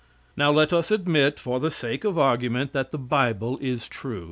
Now let us admit, for the sake of argument, that the bible is true.